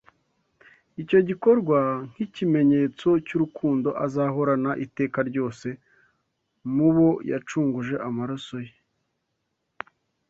icyo gikorwa nk'ikimenyetso cy'urukundo azahorana iteka ryose mu bo yacunguje amaraso ye